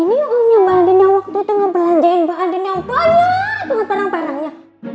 ini omnya mba andien yang waktu itu ngebelanjain mba andien yang banyak dengan perang perangnya